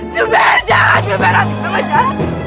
jumir jangan jumir jangan